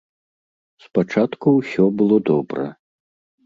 Спачатку ўсё было добра.